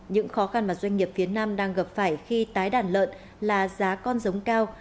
những khó khăn mà doanh nghiệp phía nam đang gặp phải khi tái đàn lợn là giá con giống cao